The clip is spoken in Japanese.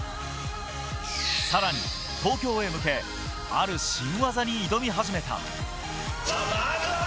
さらに東京へ向けある新技に挑み始めた。